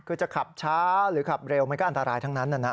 คือจะขับช้าหรือขับเร็วมันก็อันตรายทั้งนั้นนะ